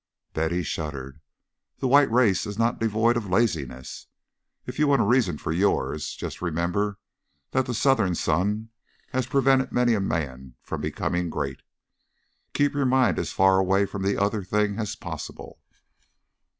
Betty shuddered. "The white race is not devoid of laziness. If you want a reason for yours, just remember that the Southern sun has prevented many a man from becoming great. Keep your mind as far away from the other thing as possible."